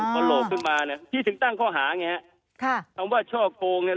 พอโหลกขึ้นมาเนี่ยพี่ถึงตั้งข้อหาไงฮะค่ะคำว่าช่อโกงเนี่ย